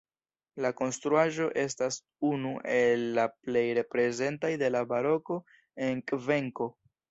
La konstruaĵo estas unu el la plej reprezentaj de la baroko en Kvenko.